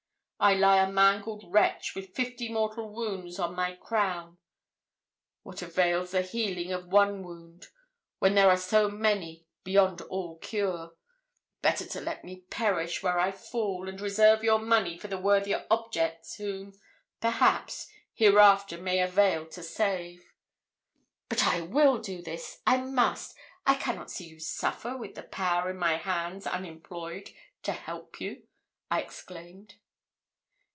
I lie a mangled wretch, with fifty mortal wounds on my crown; what avails the healing of one wound, when there are so many beyond all cure? Better to let me perish where I fall; and reserve your money for the worthier objects whom, perhaps, hereafter may avail to save.' 'But I will do this. I must. I cannot see you suffer with the power in my hands unemployed to help you,' I exclaimed.